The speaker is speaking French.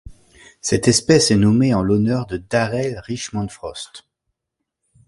Cette espèce est nommée en l'honneur de Darrel Richmond Frost.